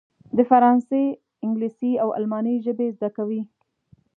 د فرانسې، انګلیسي او الماني ژبې زده کوي.